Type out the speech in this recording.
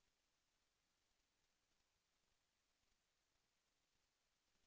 แสวได้ไงของเราก็เชียนนักอยู่ค่ะเป็นผู้ร่วมงานที่ดีมาก